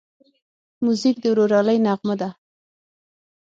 موزیک د ورورولۍ نغمه ده.